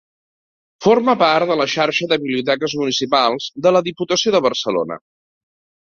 Forma part de la Xarxa de Biblioteques Municipals de la Diputació de Barcelona.